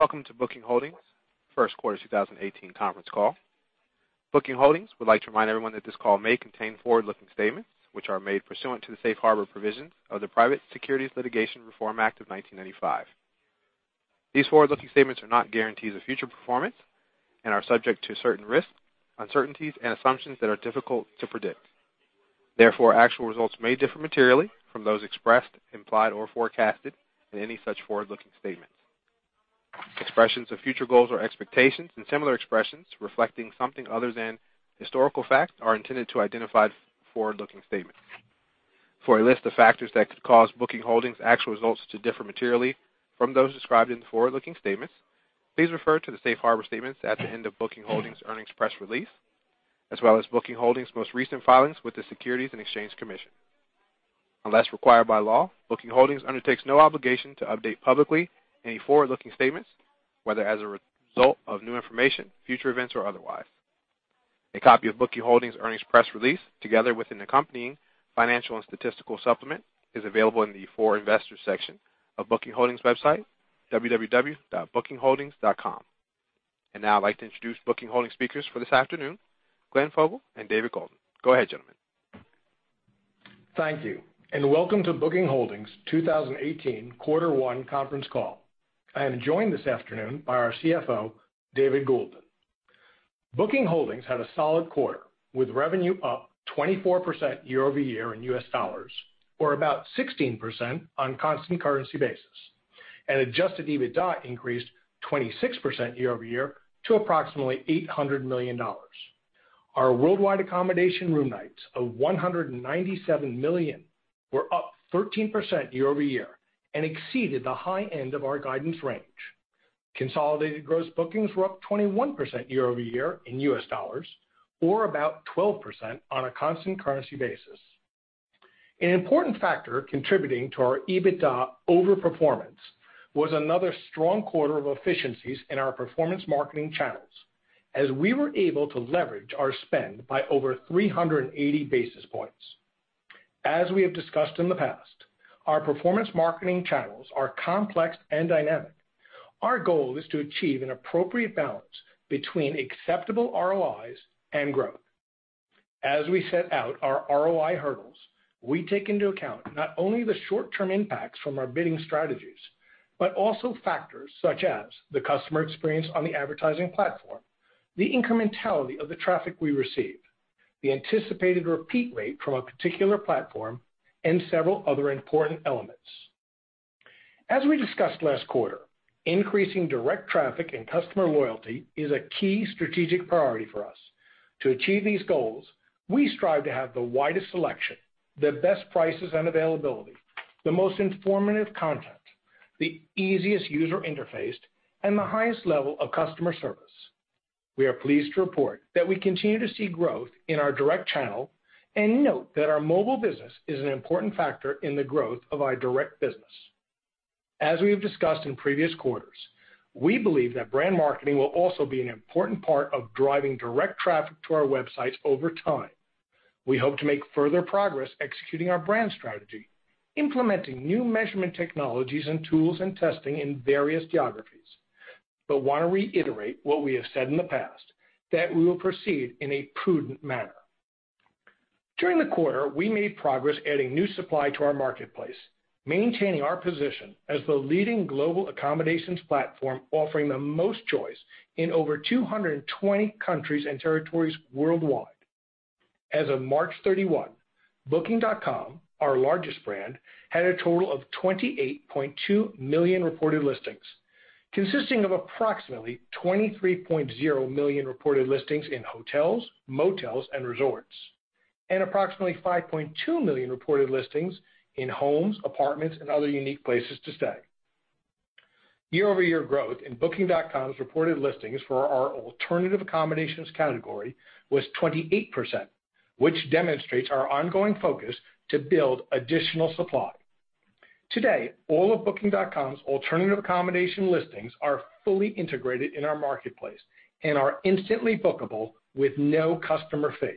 Welcome to Booking Holdings' first quarter 2018 conference call. Booking Holdings would like to remind everyone that this call may contain forward-looking statements, which are made pursuant to the safe harbor provisions of the Private Securities Litigation Reform Act of 1995. These forward-looking statements are not guarantees of future performance and are subject to certain risks, uncertainties, and assumptions that are difficult to predict. Therefore, actual results may differ materially from those expressed, implied, or forecasted in any such forward-looking statements. Expressions of future goals or expectations and similar expressions reflecting something other than historical fact are intended to identify forward-looking statements. For a list of factors that could cause Booking Holdings' actual results to differ materially from those described in the forward-looking statements, please refer to the safe harbor statements at the end of Booking Holdings' earnings press release, as well as Booking Holdings' most recent filings with the Securities and Exchange Commission. Unless required by law, Booking Holdings undertakes no obligation to update publicly any forward-looking statements, whether as a result of new information, future events, or otherwise. A copy of Booking Holdings' earnings press release, together with an accompanying financial and statistical supplement, is available in the For Investors section of Booking Holdings' website, www.bookingholdings.com. Now I'd like to introduce Booking Holdings' speakers for this afternoon, Glenn Fogel and David Goulden. Go ahead, gentlemen. Thank you, and welcome to Booking Holdings' 2018 quarter one conference call. I am joined this afternoon by our CFO, David Goulden. Booking Holdings had a solid quarter, with revenue up 24% year-over-year in US dollars, or about 16% on constant currency basis. Adjusted EBITDA increased 26% year-over-year to approximately $800 million. Our worldwide accommodation room nights of 197 million were up 13% year-over-year and exceeded the high end of our guidance range. Consolidated gross bookings were up 21% year-over-year in US dollars, or about 12% on a constant currency basis. An important factor contributing to our EBITDA overperformance was another strong quarter of efficiencies in our performance marketing channels, as we were able to leverage our spend by over 380 basis points. As we have discussed in the past, our performance marketing channels are complex and dynamic. Our goal is to achieve an appropriate balance between acceptable ROIs and growth. As we set out our ROI hurdles, we take into account not only the short-term impacts from our bidding strategies, but also factors such as the customer experience on the advertising platform, the incrementality of the traffic we receive, the anticipated repeat rate from a particular platform, and several other important elements. As we discussed last quarter, increasing direct traffic and customer loyalty is a key strategic priority for us. To achieve these goals, we strive to have the widest selection, the best prices and availability, the most informative content, the easiest user interface, and the highest level of customer service. We are pleased to report that we continue to see growth in our direct channel and note that our mobile business is an important factor in the growth of our direct business. As we have discussed in previous quarters, we believe that brand marketing will also be an important part of driving direct traffic to our websites over time. We hope to make further progress executing our brand strategy, implementing new measurement technologies and tools and testing in various geographies. We want to reiterate what we have said in the past, that we will proceed in a prudent manner. During the quarter, we made progress adding new supply to our marketplace, maintaining our position as the leading global accommodations platform offering the most choice in over 220 countries and territories worldwide. As of March 31, Booking.com, our largest brand, had a total of 28.2 million reported listings, consisting of approximately 23.0 million reported listings in hotels, motels, and resorts, and approximately 5.2 million reported listings in homes, apartments, and other unique places to stay. Year-over-year growth in Booking.com's reported listings for our alternative accommodations category was 28%, which demonstrates our ongoing focus to build additional supply. Today, all of Booking.com's alternative accommodation listings are fully integrated in our marketplace and are instantly bookable with no customer fee.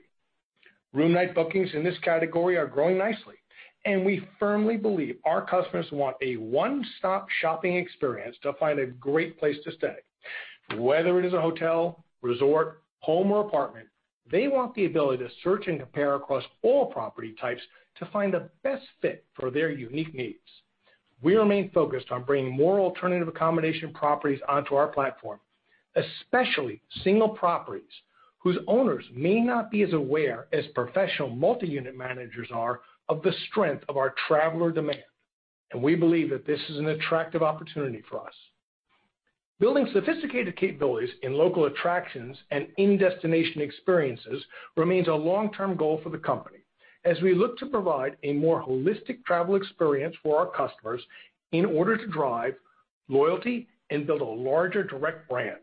Room night bookings in this category are growing nicely, and we firmly believe our customers want a one-stop shopping experience to find a great place to stay. Whether it is a hotel, resort, home, or apartment, they want the ability to search and compare across all property types to find the best fit for their unique needs. We remain focused on bringing more alternative accommodation properties onto our platform, especially single properties whose owners may not be as aware as professional multi-unit managers are of the strength of our traveler demand, and we believe that this is an attractive opportunity for us. Building sophisticated capabilities in local attractions and in-destination experiences remains a long-term goal for the company, as we look to provide a more holistic travel experience for our customers in order to drive loyalty and build a larger direct brand.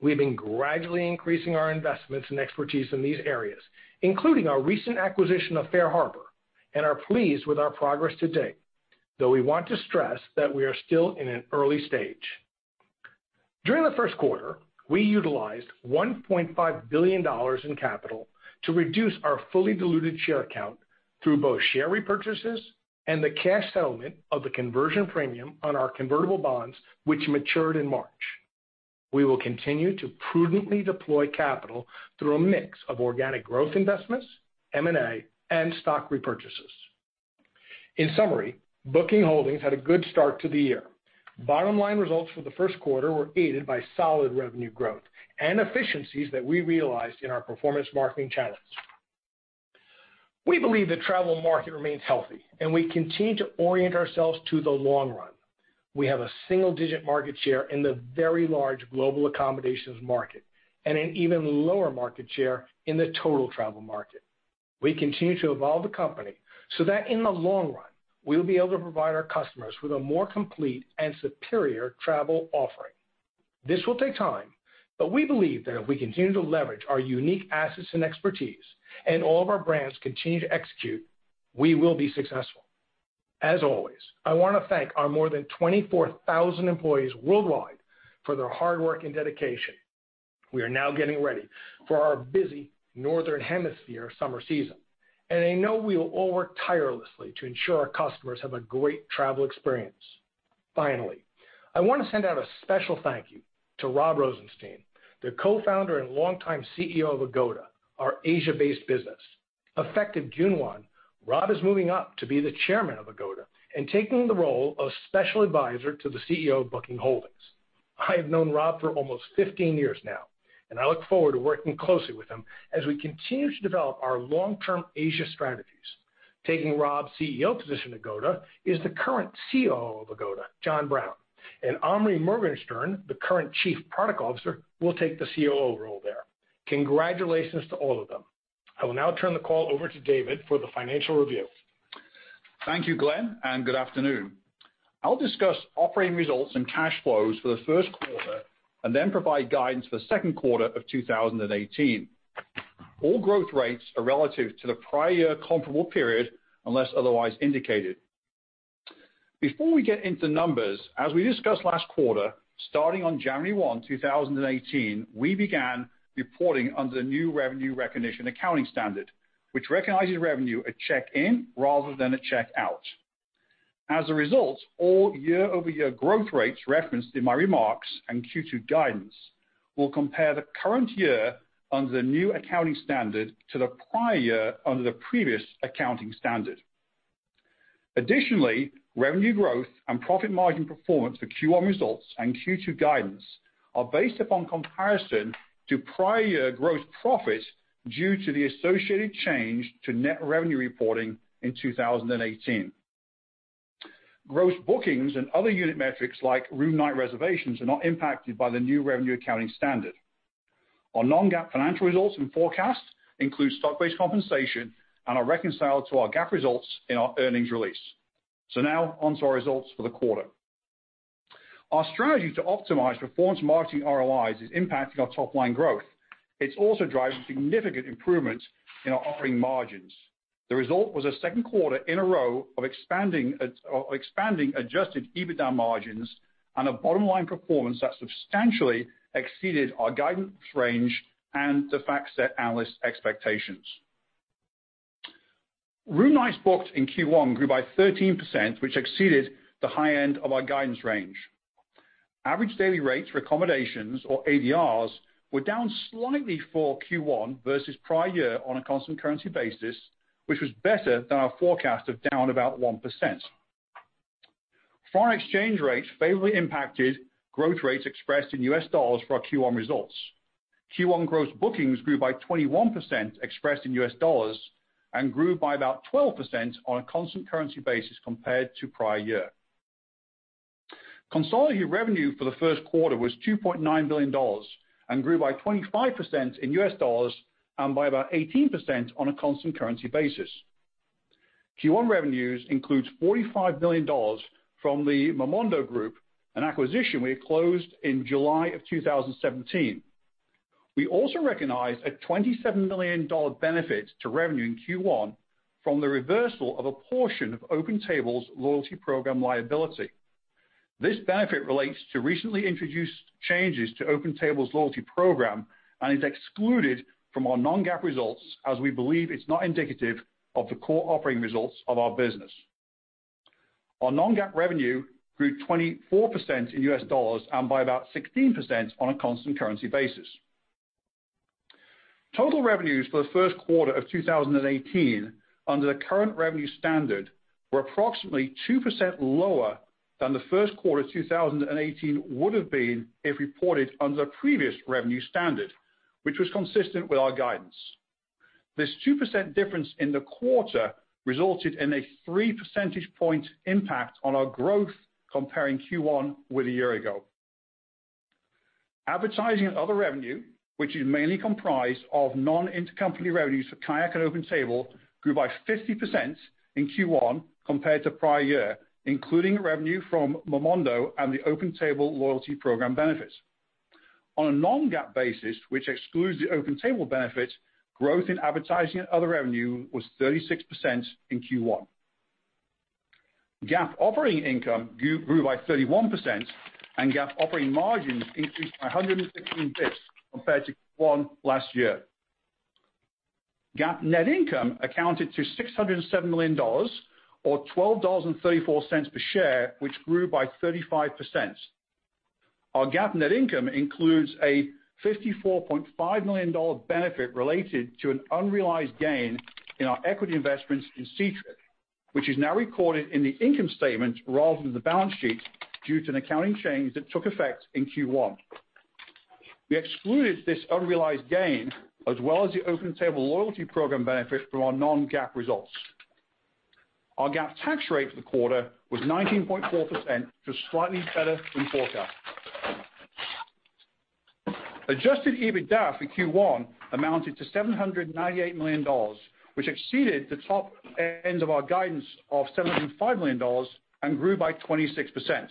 We've been gradually increasing our investments and expertise in these areas, including our recent acquisition of FareHarbor, and are pleased with our progress to date, though we want to stress that we are still in an early stage. During the first quarter, we utilized $1.5 billion in capital to reduce our fully diluted share count through both share repurchases and the cash settlement of the conversion premium on our convertible bonds, which matured in March. We will continue to prudently deploy capital through a mix of organic growth investments, M&A, and stock repurchases. In summary, Booking Holdings had a good start to the year. Bottom line results for the first quarter were aided by solid revenue growth and efficiencies that we realized in our performance marketing channels. We believe the travel market remains healthy, and we continue to orient ourselves to the long run. We have a single-digit market share in the very large global accommodations market, and an even lower market share in the total travel market. We continue to evolve the company so that in the long run, we'll be able to provide our customers with a more complete and superior travel offering. This will take time, but we believe that if we continue to leverage our unique assets and expertise, and all of our brands continue to execute, we will be successful. As always, I want to thank our more than 24,000 employees worldwide for their hard work and dedication. We are now getting ready for our busy northern hemisphere summer season, and I know we will all work tirelessly to ensure our customers have a great travel experience. Finally, I want to send out a special thank you to Rob Rosenstein, the co-founder and longtime CEO of Agoda, our Asia-based business. Effective June one, Rob is moving up to be the chairman of Agoda and taking the role of special advisor to the CEO of Booking Holdings. I have known Rob for almost 15 years now, and I look forward to working closely with him as we continue to develop our long-term Asia strategies. Taking Rob's CEO position at Agoda is the current COO of Agoda, John Brown. Omri Morgenshtern, the current Chief Product Officer, will take the COO role there. Congratulations to all of them. I will now turn the call over to David for the financial review. Thank you, Glenn, and good afternoon. I'll discuss operating results and cash flows for the first quarter and then provide guidance for the second quarter of 2018. All growth rates are relative to the prior comparable period, unless otherwise indicated. Before we get into numbers, as we discussed last quarter, starting on January one, 2018, we began reporting under the new revenue recognition accounting standard, which recognizes revenue at check-in rather than at check-out. As a result, all year-over-year growth rates referenced in my remarks and Q2 guidance will compare the current year under the new accounting standard to the prior year under the previous accounting standard. Additionally, revenue growth and profit margin performance for Q1 results and Q2 guidance are based upon comparison to prior year growth profits due to the associated change to net revenue reporting in 2018. Gross bookings and other unit metrics like room night reservations are not impacted by the new revenue accounting standard. Our non-GAAP financial results and forecasts include stock-based compensation and are reconciled to our GAAP results in our earnings release. Now on to our results for the quarter. Our strategy to optimize performance marketing ROIs is impacting our top-line growth. It's also driving significant improvements in our operating margins. The result was a second quarter in a row of expanding adjusted EBITDA margins and a bottom-line performance that substantially exceeded our guidance range and the FactSet analyst expectations. Room nights booked in Q1 grew by 13%, which exceeded the high end of our guidance range. Average daily rates for accommodations or ADRs were down slightly for Q1 versus prior year on a constant currency basis, which was better than our forecast of down about 1%. Foreign exchange rates favorably impacted growth rates expressed in US dollars for our Q1 results. Q1 gross bookings grew by 21% expressed in US dollars and grew by about 12% on a constant currency basis compared to prior year. Consolidated revenue for the first quarter was $2.9 billion and grew by 25% in US dollars and by about 18% on a constant currency basis. Q1 revenues includes $45 million from the Momondo Group, an acquisition we had closed in July of 2017. We also recognized a $27 million benefit to revenue in Q1 from the reversal of a portion of OpenTable's loyalty program liability. This benefit relates to recently introduced changes to OpenTable's loyalty program and is excluded from our non-GAAP results, as we believe it's not indicative of the core operating results of our business. Our non-GAAP revenue grew 24% in US dollars and by about 16% on a constant currency basis. Total revenues for the first quarter of 2018 under the current revenue standard were approximately 2% lower than the first quarter 2018 would have been if reported under previous revenue standard, which was consistent with our guidance. This 2% difference in the quarter resulted in a three percentage point impact on our growth comparing Q1 with a year ago. Advertising and other revenue, which is mainly comprised of non-intercompany revenues for KAYAK and OpenTable, grew by 50% in Q1 compared to prior year, including revenue from Momondo and the OpenTable loyalty program benefits. On a non-GAAP basis, which excludes the OpenTable benefits, growth in advertising and other revenue was 36% in Q1. GAAP operating income grew by 31%, and GAAP operating margins increased by 116 basis points compared to Q1 last year. GAAP net income amounted to $607 million, or $12.34 per share, which grew by 35%. Our GAAP net income includes a $54.5 million benefit related to an unrealized gain in our equity investments in Ctrip, which is now recorded in the income statement rather than the balance sheet due to an accounting change that took effect in Q1. We excluded this unrealized gain as well as the OpenTable loyalty program benefit from our non-GAAP results. Our GAAP tax rate for the quarter was 19.4%, just slightly better than forecast. Adjusted EBITDA for Q1 amounted to $798 million, which exceeded the top end of our guidance of $705 million and grew by 26%.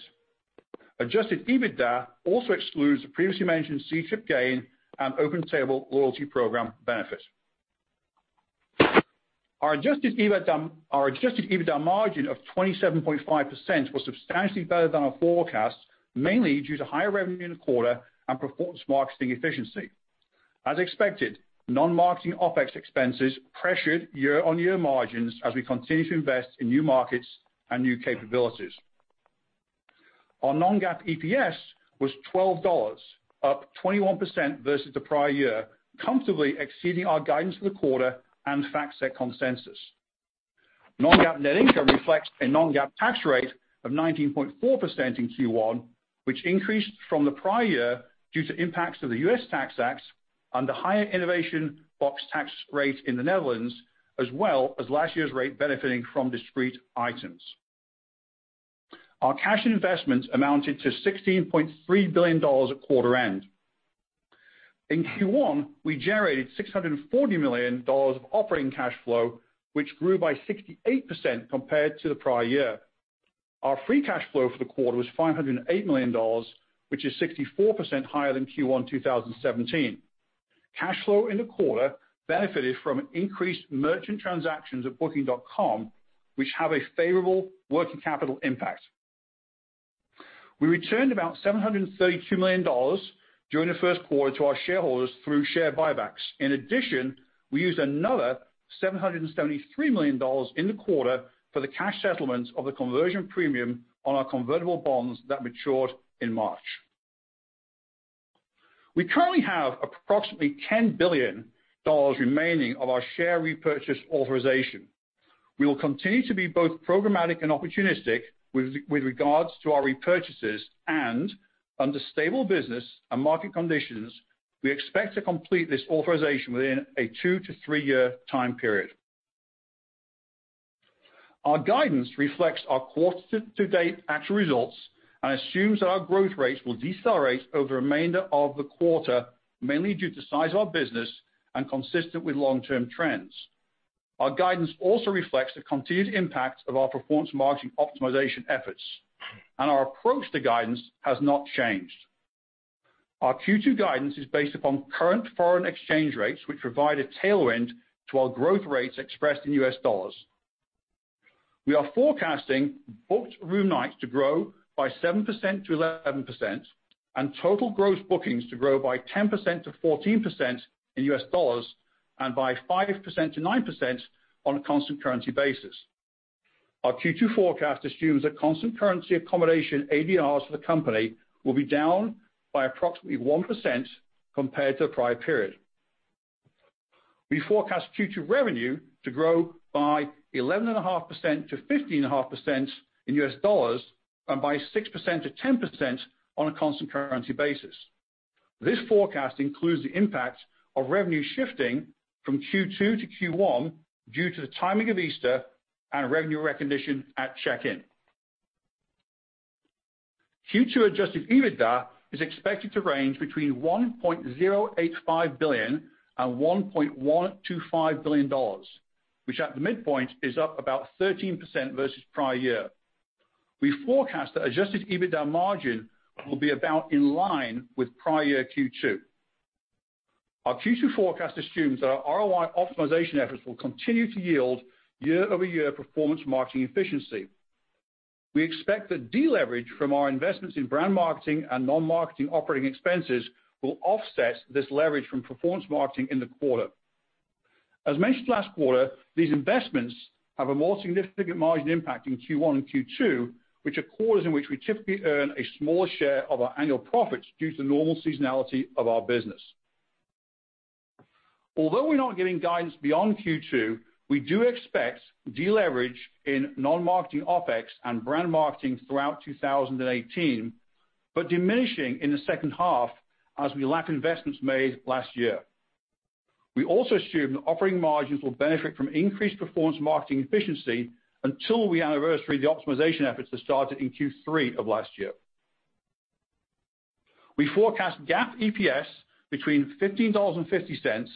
Adjusted EBITDA also excludes the previously mentioned Ctrip gain and OpenTable loyalty program benefit. Our adjusted EBITDA margin of 27.5% was substantially better than our forecast, mainly due to higher revenue in the quarter and performance marketing efficiency. As expected, non-marketing OpEx expenses pressured year-over-year margins as we continue to invest in new markets and new capabilities. Our non-GAAP EPS was $12, up 21% versus the prior year, comfortably exceeding our guidance for the quarter and FactSet consensus. Non-GAAP net income reflects a non-GAAP tax rate of 19.4% in Q1, which increased from the prior year due to impacts of the US Tax Acts and the higher Innovation Box tax rate in the Netherlands, as well as last year's rate benefiting from discrete items. Our cash and investments amounted to $16.3 billion at quarter end. In Q1, we generated $640 million of operating cash flow, which grew by 68% compared to the prior year. Our free cash flow for the quarter was $508 million, which is 64% higher than Q1 2017. Cash flow in the quarter benefited from increased merchant transactions at Booking.com, which have a favorable working capital impact. We returned about $732 million during the first quarter to our shareholders through share buybacks. In addition, we used another $773 million in the quarter for the cash settlement of the conversion premium on our convertible bonds that matured in March. We currently have approximately $10 billion remaining of our share repurchase authorization. We will continue to be both programmatic and opportunistic with regards to our repurchases, and under stable business and market conditions, we expect to complete this authorization within a two to three-year time period. Our guidance reflects our quarter-to-date actual results and assumes that our growth rates will decelerate over the remainder of the quarter, mainly due to size of our business and consistent with long-term trends. Our guidance also reflects the continued impact of our performance marketing optimization efforts and our approach to guidance has not changed. Our Q2 guidance is based upon current foreign exchange rates, which provide a tailwind to our growth rates expressed in US dollars. We are forecasting booked room nights to grow by 7%-11%, and total gross bookings to grow by 10%-14% in US dollars, and by 5%-9% on a constant currency basis. Our Q2 forecast assumes that constant currency accommodation ADRs for the company will be down by approximately 1% compared to the prior period. We forecast future revenue to grow by 11.5%-15.5% in US dollars, and by 6%-10% on a constant currency basis. This forecast includes the impact of revenue shifting from Q2 to Q1 due to the timing of Easter and revenue recognition at check-in. Q2 adjusted EBITDA is expected to range between $1.085 billion and $1.125 billion, which at the midpoint is up about 13% versus prior year. We forecast that adjusted EBITDA margin will be about in line with prior year Q2. Our Q2 forecast assumes that our ROI optimization efforts will continue to yield year-over-year performance marketing efficiency. We expect that deleverage from our investments in brand marketing and non-marketing operating expenses will offset this leverage from performance marketing in the quarter. As mentioned last quarter, these investments have a more significant margin impact in Q1 and Q2, which are quarters in which we typically earn a smaller share of our annual profits due to normal seasonality of our business. Although we're not giving guidance beyond Q2, we do expect deleverage in non-marketing OpEx and brand marketing throughout 2018, but diminishing in the second half as we lack investments made last year. We also assume that operating margins will benefit from increased performance marketing efficiency until we anniversary the optimization efforts that started in Q3 of last year. We forecast GAAP EPS between $15.50 and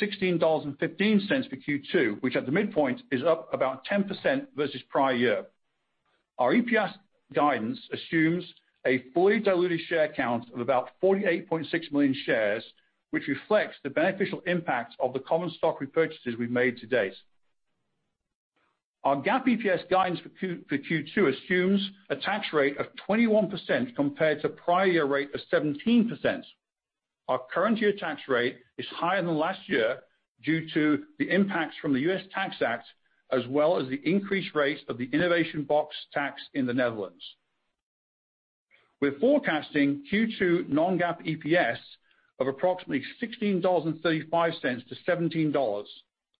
$16.15 for Q2, which at the midpoint is up about 10% versus prior year. Our EPS guidance assumes a fully diluted share count of about 48.6 million shares, which reflects the beneficial impact of the common stock repurchases we've made to date. Our GAAP EPS guidance for Q2 assumes a tax rate of 21% compared to prior year rate of 17%. Our current year tax rate is higher than last year due to the impacts from the U.S. Tax Act as well as the increased rates of the Innovation Box tax in the Netherlands. We're forecasting Q2 non-GAAP EPS of approximately $16.35-$17,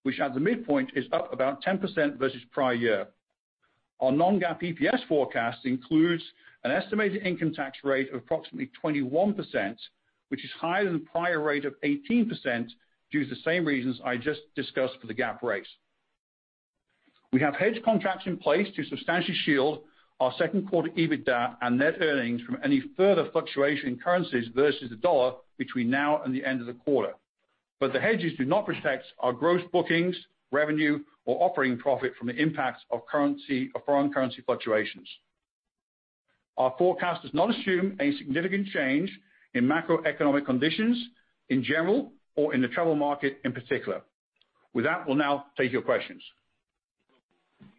which at the midpoint is up about 10% versus prior year. Our non-GAAP EPS forecast includes an estimated income tax rate of approximately 21%, which is higher than the prior rate of 18%, due to the same reasons I just discussed for the GAAP rates. We have hedge contracts in place to substantially shield our second quarter EBITDA and net earnings from any further fluctuation in currencies versus the dollar between now and the end of the quarter. The hedges do not protect our gross bookings, revenue, or operating profit from the impacts of foreign currency fluctuations. Our forecast does not assume a significant change in macroeconomic conditions in general or in the travel market in particular. With that, we'll now take your questions.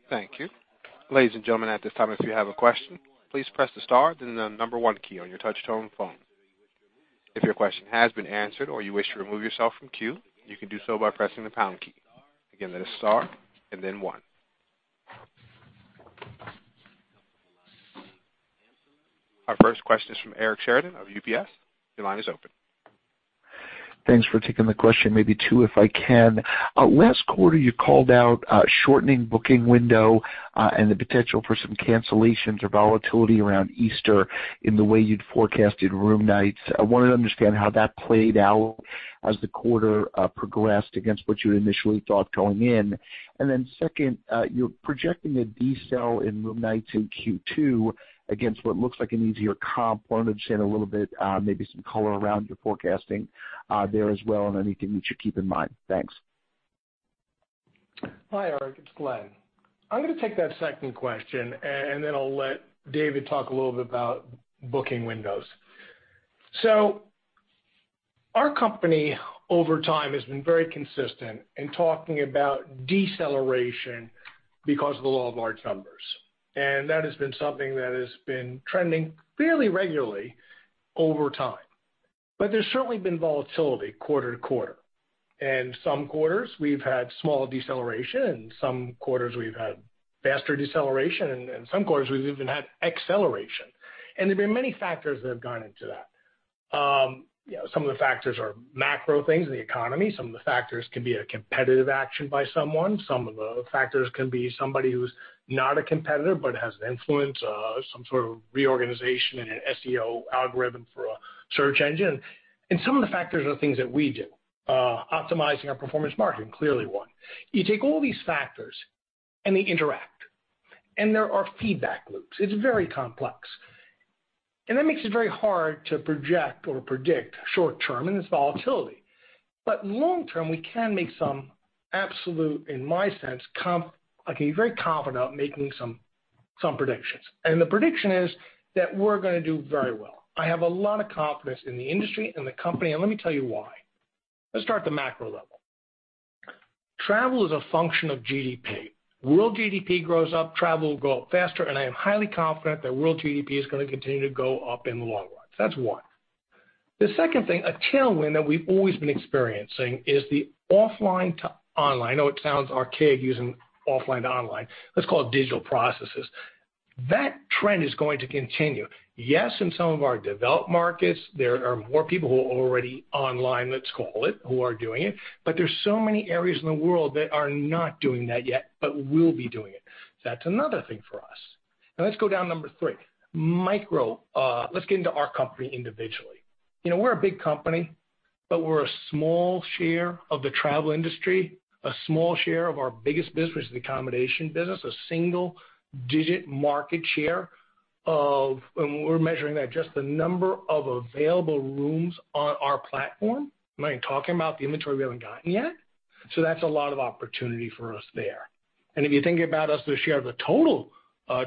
Thank you. Ladies and gentlemen, at this time, if you have a question, please press the star then the number one key on your touch-tone phone. If your question has been answered or you wish to remove yourself from queue, you can do so by pressing the pound key. Again, that is star and then one. Our first question is from Eric Sheridan of UBS. Your line is open. Thanks for taking the question, maybe two, if I can. Last quarter, you called out a shortening booking window, and the potential for some cancellations or volatility around Easter in the way you'd forecasted room nights. I wanted to understand how that played out as the quarter progressed against what you initially thought going in. Second, you're projecting a decel in room nights in Q2 against what looks like an easier comp. I wanted to understand a little bit, maybe some color around your forecasting there as well and anything we should keep in mind. Thanks. Hi, Eric. It's Glenn. I'm going to take that second question, and then I'll let David talk a little bit about booking windows. Our company, over time, has been very consistent in talking about deceleration because of the law of large numbers, and that has been something that has been trending fairly regularly over time. There's certainly been volatility quarter to quarter. In some quarters, we've had small deceleration, in some quarters we've had faster deceleration, and in some quarters we've even had acceleration. There have been many factors that have gone into that. Some of the factors are macro things in the economy. Some of the factors can be a competitive action by someone. Some of the factors can be somebody who's not a competitor but has influence, some sort of reorganization in an SEO algorithm for a search engine. Some of the factors are things that we do, optimizing our performance marketing, clearly one. You take all these factors and they interact, and there are feedback loops. It's very complex, and that makes it very hard to project or predict short term, and it's volatility. Long term, we can make some absolute, I can be very confident about making some predictions. The prediction is that we're going to do very well. I have a lot of confidence in the industry and the company, and let me tell you why. Let's start at the macro level. Travel is a function of GDP. World GDP grows up, travel will go up faster, and I am highly confident that world GDP is going to continue to go up in the long run. That's one. The second thing, a tailwind that we've always been experiencing is the offline to online. I know it sounds archaic using offline to online. Let's call it digital processes. That trend is going to continue. Yes, in some of our developed markets, there are more people who are already online, let's call it, who are doing it, but there's so many areas in the world that are not doing that yet, but will be doing it. That's another thing for us. Let's go down number 3, micro. Let's get into our company individually. We're a big company, but we're a small share of the travel industry, a small share of our biggest business, the accommodation business, a single-digit market share, we're measuring that just the number of available rooms on our platform. I'm not even talking about the inventory we haven't gotten yet. That's a lot of opportunity for us there. If you think about us as a share of the total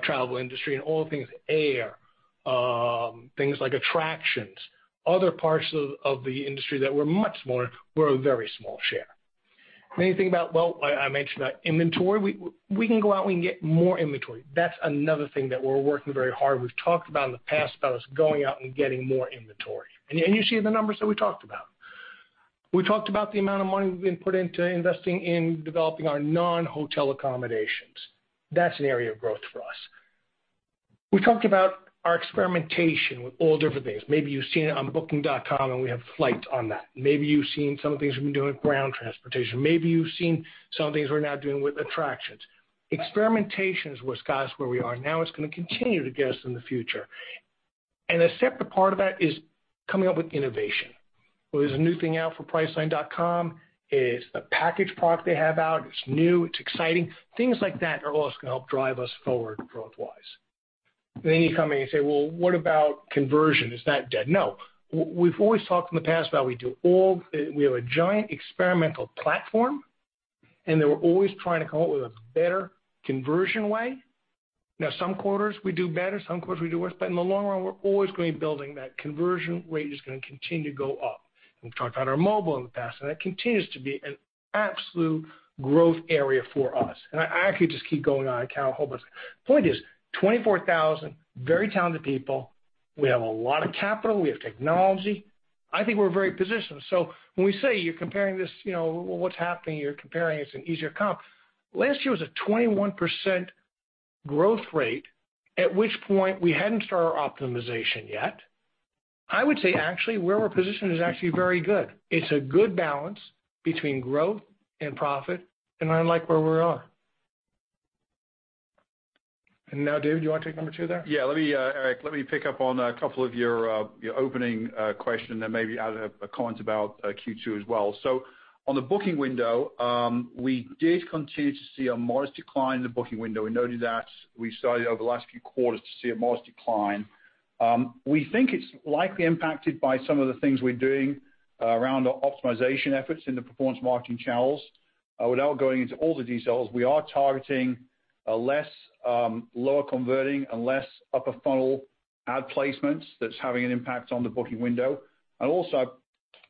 travel industry and all things air, things like attractions, other parts of the industry that were much smaller, we're a very small share. You think about, well, I mentioned that inventory, we can go out and we can get more inventory. That's another thing that we're working very hard. We've talked about in the past about us going out and getting more inventory. You see the numbers that we talked about. We talked about the amount of money we've been put into investing in developing our non-hotel accommodations. That's an area of growth for us. We talked about our experimentation with all different things. Maybe you've seen it on Booking.com and we have flight on that. Maybe you've seen some of the things we've been doing with ground transportation. Maybe you've seen some of the things we're now doing with attractions. Experimentation is what's got us where we are now. It's going to continue to get us in the future. A separate part of that is coming up with innovation. Well, there's a new thing out for priceline.com. It's a package product they have out. It's new, it's exciting. Things like that are what's going to help drive us forward growth-wise. You come in and say, "Well, what about conversion? Is that dead?" No. We've always talked in the past about We have a giant experimental platform They were always trying to come up with a better conversion way. Some quarters we do better, some quarters we do worse, but in the long run, we're always going to be building that conversion rate is going to continue to go up. We've talked about our mobile in the past, and that continues to be an absolute growth area for us. I could just keep going on, I kind of hope. The point is 24,000 very talented people. We have a lot of capital. We have technology. I think we're very positioned. When we say you're comparing this, well, what's happening, you're comparing us in easier comp. Last year was a 21% growth rate, at which point we hadn't started our optimization yet. I would say actually, where we're positioned is actually very good. It's a good balance between growth and profit, and I like where we are. David, do you want to take number 2 there? Eric, let me pick up on a couple of your opening question then maybe add a comment about Q2 as well. On the booking window, we did continue to see a modest decline in the booking window. We noted that we started over the last few quarters to see a modest decline. We think it's likely impacted by some of the things we're doing around our optimization efforts in the performance marketing channels. Without going into all the details, we are targeting a less lower converting and less upper funnel ad placements that's having an impact on the booking window. I'll also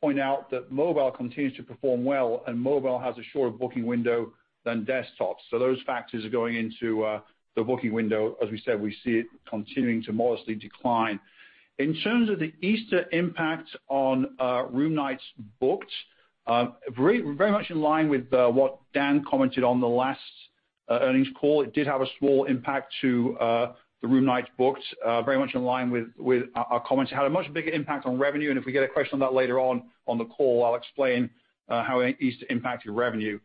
point out that mobile continues to perform well, and mobile has a shorter booking window than desktops. Those factors are going into the booking window. As we said, we see it continuing to modestly decline. In terms of the Easter impact on room nights booked, very much in line with what Dan commented on the last earnings call, it did have a small impact to the room nights booked, very much in line with our comments. Had a much bigger impact on revenue, and if we get a question on that later on the call, I'll explain how Easter impacted revenue.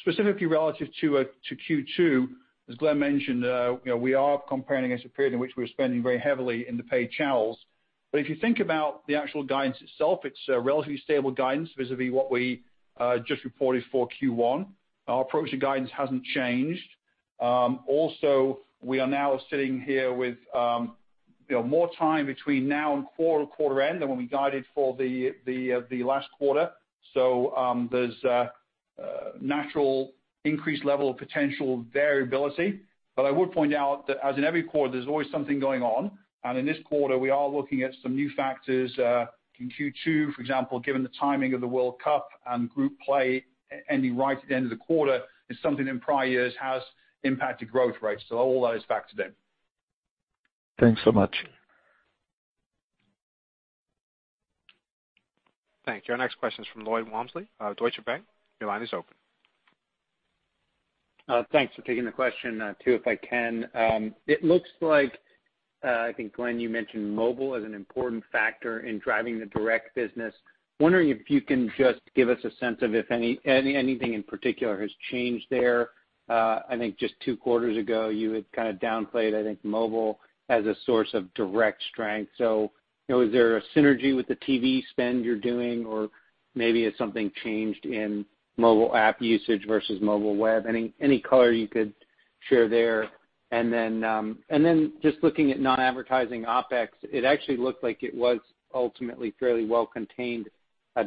Specifically relative to Q2, as Glenn mentioned, we are comparing against a period in which we were spending very heavily in the paid channels. If you think about the actual guidance itself, it's a relatively stable guidance vis-a-vis what we just reported for Q1. Our approach to guidance hasn't changed. We are now sitting here with more time between now and quarter end than when we guided for the last quarter. There's a natural increased level of potential variability. I would point out that as in every quarter, there's always something going on, and in this quarter, we are looking at some new factors. In Q2, for example, given the timing of the World Cup and group play ending right at the end of the quarter is something in prior years has impacted growth rates. All that is factored in. Thanks so much. Thank you. Our next question is from Lloyd Walmsley, Deutsche Bank. Your line is open. Thanks for taking the question, two, if I can. It looks like, I think, Glenn, you mentioned mobile as an important factor in driving the direct business. Wondering if you can just give us a sense of if anything in particular has changed there. I think just two quarters ago, you had kind of downplayed, I think, mobile as a source of direct strength. Is there a synergy with the TV spend you're doing, or maybe has something changed in mobile app usage versus mobile web? Any color you could share there. Then just looking at non-advertising OpEx, it actually looked like it was ultimately fairly well contained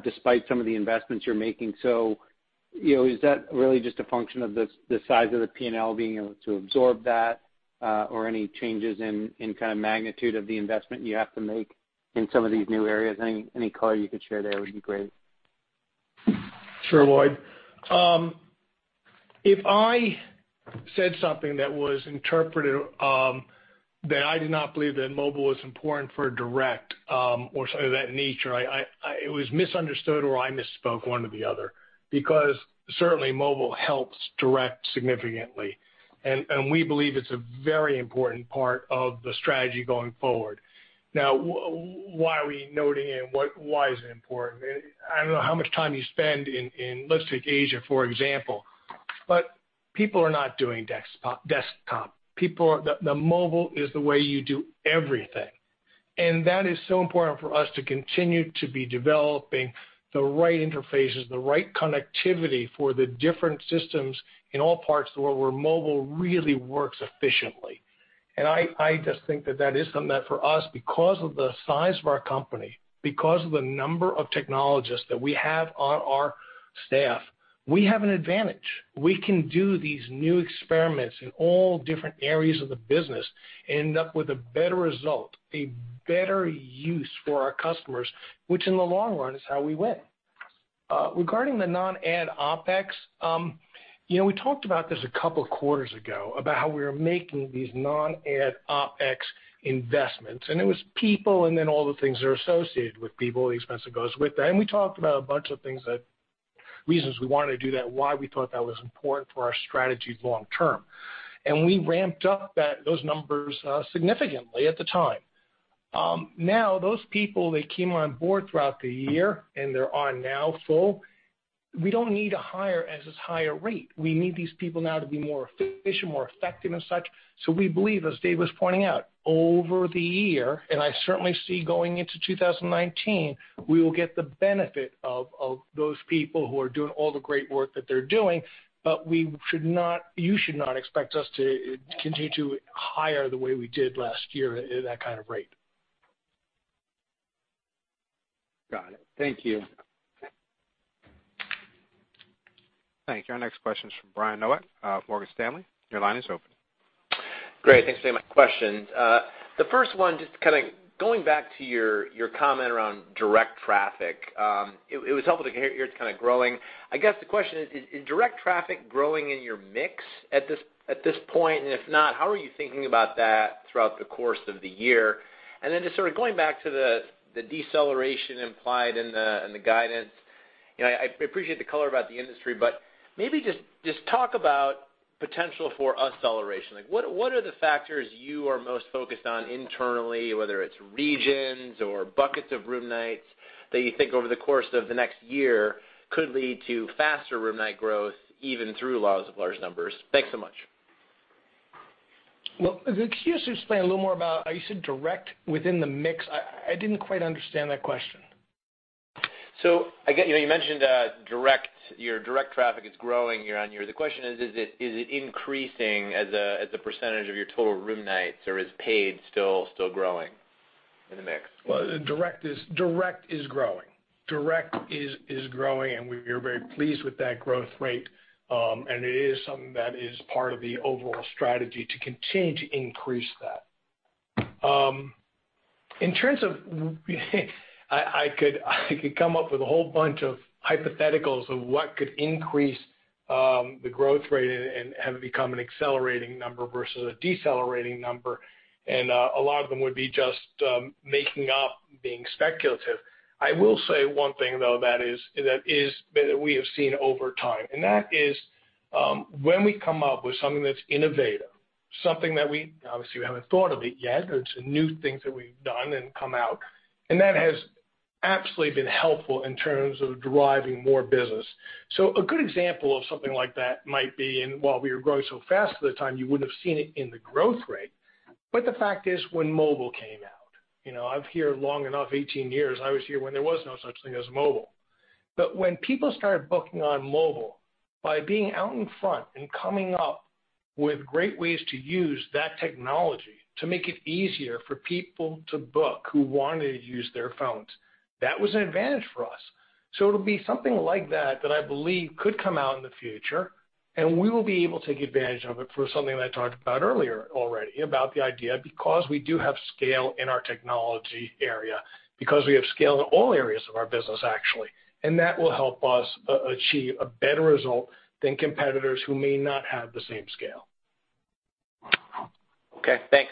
despite some of the investments you're making. Is that really just a function of the size of the P&L being able to absorb that, or any changes in kind of magnitude of the investment you have to make in some of these new areas? Any color you could share there would be great. Sure, Lloyd. If I said something that was interpreted that I did not believe that mobile was important for direct, or something of that nature, it was misunderstood, or I misspoke one or the other, because certainly mobile helps direct significantly. We believe it's a very important part of the strategy going forward. Why are we noting it and why is it important? I don't know how much time you spend in, let's take Asia, for example, people are not doing desktop. The mobile is the way you do everything, and that is so important for us to continue to be developing the right interfaces, the right connectivity for the different systems in all parts of the world where mobile really works efficiently. I just think that that is something that for us, because of the size of our company, because of the number of technologists that we have on our staff, we have an advantage. We can do these new experiments in all different areas of the business and end up with a better result, a better use for our customers, which in the long run is how we win. Regarding the non-ad OpEx, we talked about this a couple of quarters ago about how we were making these non-ad OpEx investments, it was people and then all the things that are associated with people, the expense that goes with that. We talked about a bunch of things that reasons we wanted to do that, why we thought that was important for our strategies long term. We ramped up those numbers significantly at the time. Those people, they came on board throughout the year, they're on now full. We don't need to hire at as higher rate. We need these people now to be more efficient, more effective and such. We believe, as Dave was pointing out, over the year, I certainly see going into 2019, we will get the benefit of those people who are doing all the great work that they're doing, you should not expect us to continue to hire the way we did last year at that kind of rate. Got it. Thank you. Thank you. Our next question is from Brian Nowak, Morgan Stanley. Your line is open. Great. Thanks. I have a few questions. The first one, just going back to your comment around direct traffic. It was helpful to hear it's kind of growing. I guess the question is direct traffic growing in your mix at this point? If not, how are you thinking about that throughout the course of the year? Just sort of going back to the deceleration implied in the guidance. I appreciate the color about the industry, but maybe just talk about potential for acceleration. What are the factors you are most focused on internally, whether it's regions or buckets of room nights, that you think over the course of the next year could lead to faster room night growth even through laws of large numbers? Thanks so much. Well, could you explain a little more about how you said direct within the mix? I didn't quite understand that question. I get you mentioned your direct traffic is growing year on year. The question is it increasing as a percentage of your total room nights, or is paid still growing in the mix? Well, direct is growing. Direct is growing, we are very pleased with that growth rate. It is something that is part of the overall strategy to continue to increase that. In terms of I could come up with a whole bunch of hypotheticals of what could increase the growth rate and have it become an accelerating number versus a decelerating number, and a lot of them would be just making up, being speculative. I will say one thing, though, that we have seen over time, and that is when we come up with something that's innovative, something that we obviously haven't thought of yet, it's a new thing that we've done and come out, and that has absolutely been helpful in terms of driving more business. A good example of something like that might be, and while we were growing so fast at the time, you wouldn't have seen it in the growth rate, but the fact is, when mobile came out, I'm here long enough, 18 years, I was here when there was no such thing as mobile. When people started booking on mobile, by being out in front and coming up with great ways to use that technology to make it easier for people to book who wanted to use their phones, that was an advantage for us. It'll be something like that I believe could come out in the future, and we will be able to take advantage of it for something that I talked about earlier already about the idea, because we do have scale in our technology area, because we have scale in all areas of our business, actually. That will help us achieve a better result than competitors who may not have the same scale. Okay, thanks.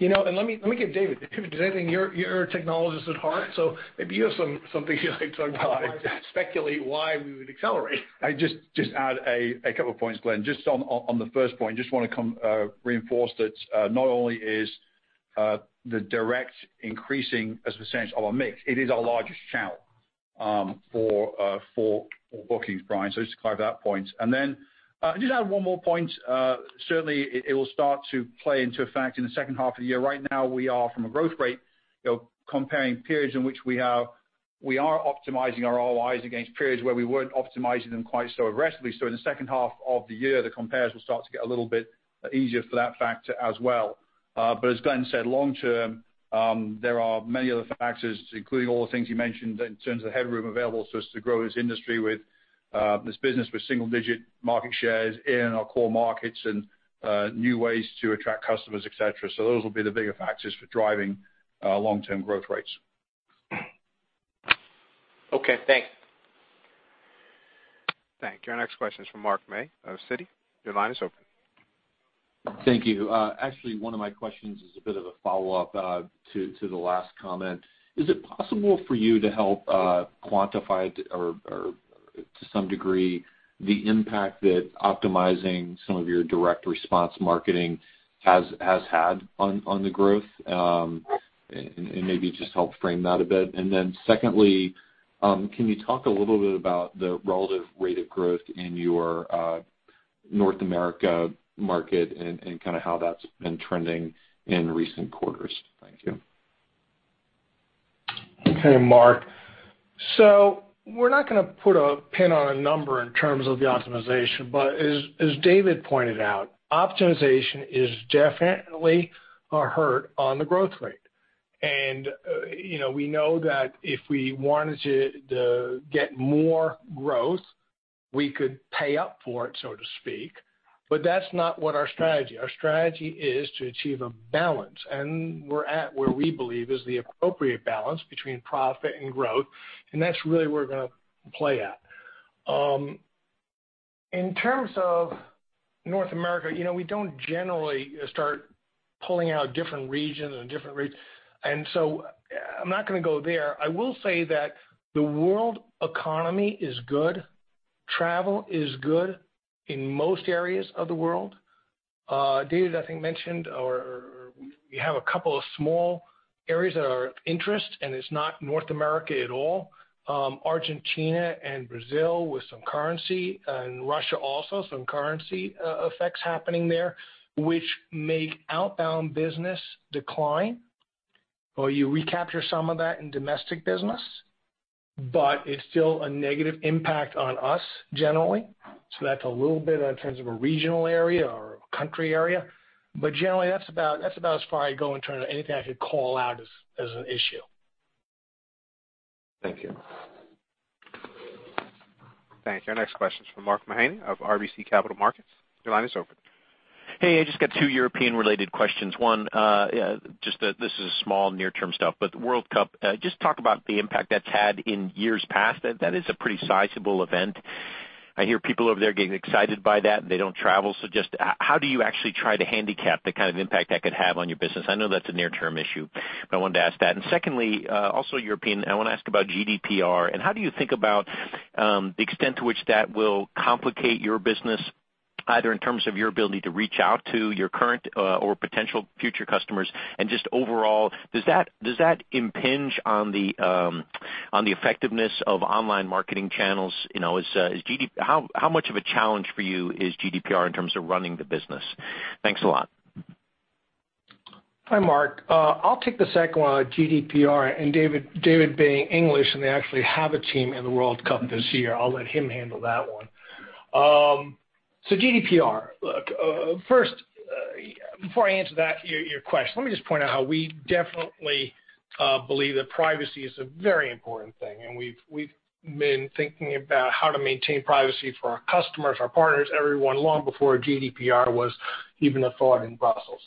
Let me give David, because I think you're a technologist at heart, so maybe you have something you'd like to talk about, speculate why we would accelerate. I just add a couple of points, Glenn. Just on the first point, just want to reinforce that not only is the direct increasing as a percentage of our mix, it is our largest channel for bookings, Brian. Just to clarify that point. Then just add one more point. Certainly, it will start to play into effect in the second half of the year. Right now, we are from a growth rate, comparing periods in which we are optimizing our ROIs against periods where we weren't optimizing them quite so aggressively. In the second half of the year, the compares will start to get a little bit easier for that factor as well. As Glenn said, long term, there are many other factors, including all the things you mentioned in terms of the headroom available to us to grow this industry with this business with single digit market shares in our core markets and new ways to attract customers, et cetera. Those will be the bigger factors for driving long term growth rates. Okay, thanks. Thank you. Our next question is from Mark May of Citi. Your line is open. Thank you. Actually, one of my questions is a bit of a follow-up to the last comment. Is it possible for you to help quantify or to some degree, the impact that optimizing some of your direct response marketing has had on the growth? Maybe just help frame that a bit. Secondly, can you talk a little bit about the relative rate of growth in your North America market and kind of how that's been trending in recent quarters? Thank you. Okay, Mark. We're not going to put a pin on a number in terms of the optimization, but as David pointed out, optimization is definitely a hurt on the growth rate. We know that if we wanted to get more growth, we could pay up for it, so to speak. That's not what our strategy. Our strategy is to achieve a balance, and we're at where we believe is the appropriate balance between profit and growth, and that's really where we're going to play at. In terms of North America, we don't generally start pulling out different regions and different rates, so I'm not going to go there. I will say that the world economy is good. Travel is good in most areas of the world. David, I think, mentioned we have a couple of small areas that are of interest, and it's not North America at all. Argentina and Brazil with some currency, and Russia also, some currency effects happening there, which make outbound business decline, or you recapture some of that in domestic business. It's still a negative impact on us generally, so that's a little bit in terms of a regional area or a country area. Generally, that's about as far as I go in terms of anything I could call out as an issue. Thank you. Thank you. Our next question is from Mark Mahaney of RBC Capital Markets. Your line is open. Hey, I just got two European related questions. One, this is small near term stuff, but the World Cup, just talk about the impact that's had in years past. That is a pretty sizable event. I hear people over there getting excited by that, and they don't travel, so just how do you actually try to handicap the kind of impact that could have on your business? I know that's a near term issue, but I wanted to ask that. Secondly, also European, I want to ask about GDPR and how do you think about the extent to which that will complicate your business, either in terms of your ability to reach out to your current or potential future customers and just overall, does that impinge on the effectiveness of online marketing channels? How much of a challenge for you is GDPR in terms of running the business? Thanks a lot. Hi, Mark. I'll take the second one on GDPR, and David being English, and they actually have a team in the World Cup this year, I'll let him handle that one. GDPR. Look, first, before I answer your question, let me just point out how we definitely believe that privacy is a very important thing, and we've been thinking about how to maintain privacy for our customers, our partners, everyone, long before GDPR was even a thought in Brussels.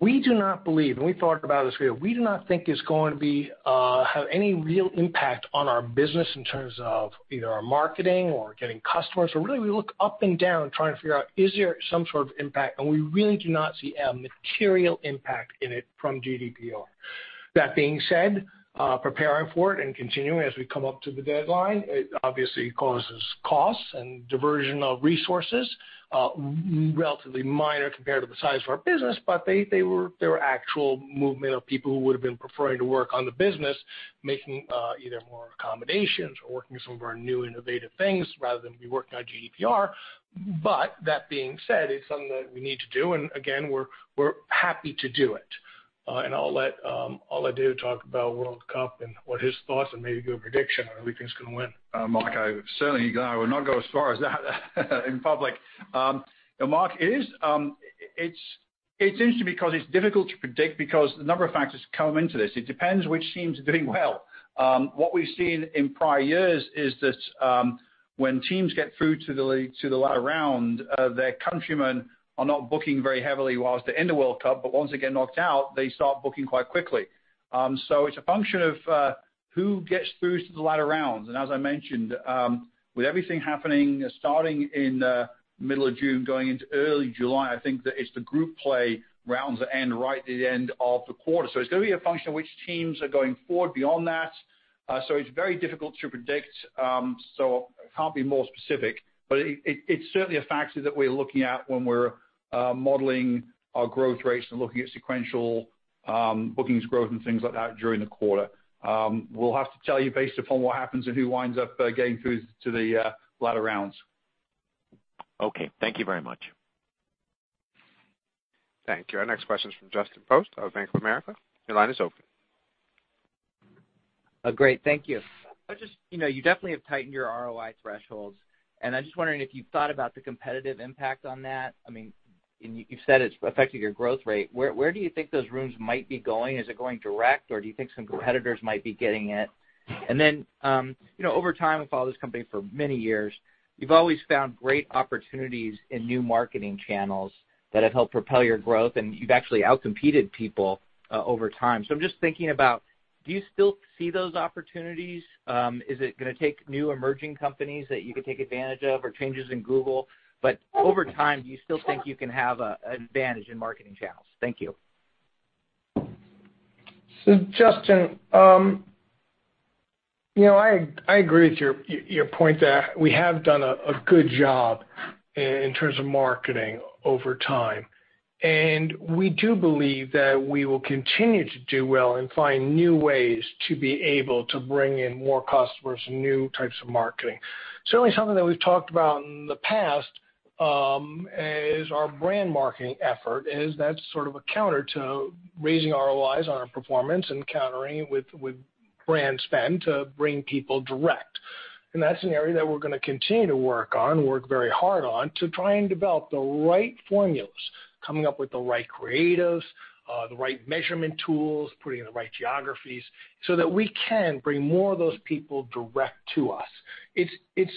We do not believe, and we thought about this, we do not think it's going to have any real impact on our business in terms of either our marketing or getting customers, or really we look up and down trying to figure out is there some sort of impact, and we really do not see a material impact in it from GDPR. That being said, preparing for it and continuing as we come up to the deadline, it obviously causes costs and diversion of resources. Relatively minor compared to the size of our business, but there were actual movement of people who would have been preferring to work on the business, making either more accommodations or working on some of our new innovative things rather than be working on GDPR. That being said, it's something that we need to do, and again, we're happy to do it. I'll let David talk about World Cup and what his thoughts and maybe a good prediction on who he thinks is going to win. Mark, I certainly would not go as far as that in public. Mark, it's interesting because it's difficult to predict because the number of factors come into this, it depends which team's doing well. What we've seen in prior years is that when teams get through to the latter round, their countrymen are not booking very heavily whilst they're in the World Cup, but once they get knocked out, they start booking quite quickly. It's a function of who gets through to the latter rounds. As I mentioned, with everything happening, starting in middle of June, going into early July, I think that it's the group play rounds that end right at the end of the quarter. It's going to be a function of which teams are going forward beyond that. It's very difficult to predict, so can't be more specific, but it's certainly a factor that we're looking at when we're modeling our growth rates and looking at sequential bookings growth and things like that during the quarter. We'll have to tell you based upon what happens and who winds up getting through to the latter rounds. Okay. Thank you very much. Thank you. Our next question is from Justin Post of Bank of America. Your line is open. Great. Thank you. You definitely have tightened your ROI thresholds. I'm just wondering if you've thought about the competitive impact on that. You said it's affected your growth rate. Where do you think those rooms might be going? Is it going direct, or do you think some competitors might be getting it? Over time, I've followed this company for many years. You've always found great opportunities in new marketing channels that have helped propel your growth, and you've actually outcompeted people over time. I'm just thinking about, do you still see those opportunities? Is it going to take new emerging companies that you can take advantage of or changes in Google? Over time, do you still think you can have an advantage in marketing channels? Thank you. Justin, I agree with your point that we have done a good job in terms of marketing over time. We do believe that we will continue to do well and find new ways to be able to bring in more customers and new types of marketing. Certainly something that we've talked about in the past is our brand marketing effort, is that's sort of a counter to raising ROIs on our performance and countering with brand spend to bring people direct. That's an area that we're going to continue to work on, work very hard on, to try and develop the right formulas, coming up with the right creatives, the right measurement tools, putting in the right geographies, so that we can bring more of those people direct to us. It's